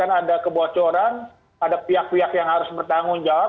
ada kebocoran ada pihak pihak yang harus bertanggung jawab